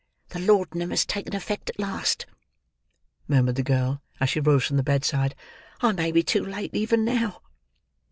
"The laudanum has taken effect at last," murmured the girl, as she rose from the bedside. "I may be too late, even now."